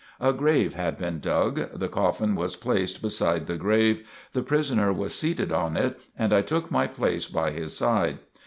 A grave had been dug. The coffin was placed beside the grave, the prisoner was seated on it and I took my place by his side.